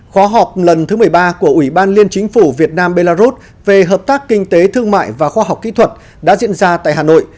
khóa học lần thứ một mươi ba của ủy ban liên chính phủ việt nam belarus về hợp tác kinh tế thương mại và khoa học kỹ thuật đã diễn ra tại hà nội